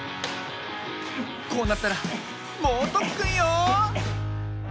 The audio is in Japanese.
こうなったらもうとっくんよ！